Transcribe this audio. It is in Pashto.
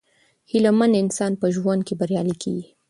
هیله مند انسان په ژوند کې بریالی کیږي.